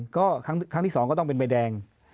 ก็ครั้งที่๒ก็ต้องเป็นใบแดง